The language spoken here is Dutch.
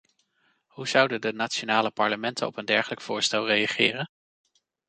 Hoe zouden de nationale parlementen op een dergelijk voorstel reageren?